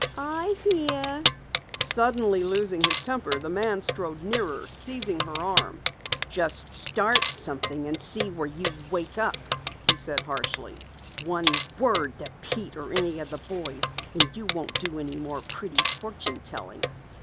"I hear." Suddenly losing his temper, the man strode nearer, seizing her arm. "Just start something and see where you wake up!" he said harshly. "One word to Pete or any of the boys and you won't do any more pretty fortune telling!"